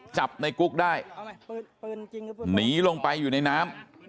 จับในกุ๊กได้หนีลงไปอยู่ในน้ำ